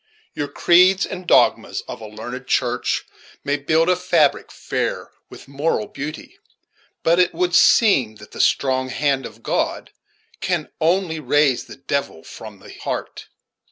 "Your creeds and dogmas of a learned church May build a fabric, fair with moral beauty; But it would seem that the strong hand of God Can, only, 'rase the devil from the heart."